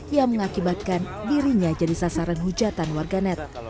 yang mengakibatkan dirinya jadi sasaran hujatan warganet